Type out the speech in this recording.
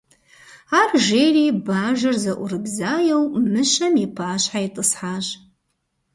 Ар жери бажэр зыӏурыбзаеу мыщэм и пащхьэ итӏысхьащ.